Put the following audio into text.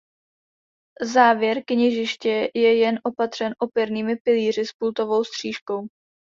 Závěr kněžiště je je opatřen opěrnými pilíři s pultovou stříškou.